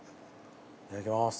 いただきます。